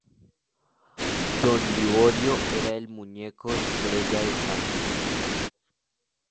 Don Liborio era el muñeco estrella de Sanz.